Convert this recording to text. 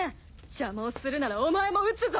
邪魔をするならお前も撃つぞ！